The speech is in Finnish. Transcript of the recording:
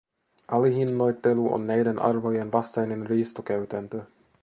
Alihinnoittelu on näiden arvojen vastainen riistokäytäntö.